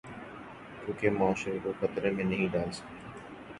کیونکہ معاشرے کو خطرے میں نہیں ڈال سکتے۔